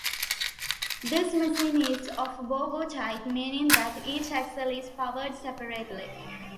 This machine is of Bo-Bo type, meaning that each axle is powered separately.